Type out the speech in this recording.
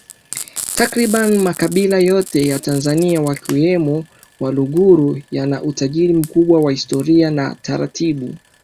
Takriban makabila yote ya Tanzania wakiwemo Waluguru yana utajiri mkubwa wa Historia na taratibu